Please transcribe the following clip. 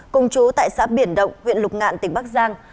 cùng chú tại xã biển động huyện lục ngạn tỉnh bắc giang